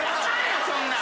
そんなん。